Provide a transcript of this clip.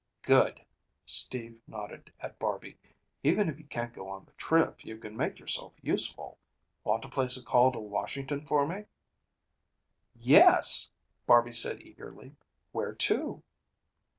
"Good!" Steve nodded at Barby. "Even if you can't go on the trip, you can make yourself useful. Want to place a call to Washington for me?" "Yes," Barby said eagerly. "Where to?"